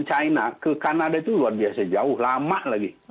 china ke kanada itu luar biasa jauh lama lagi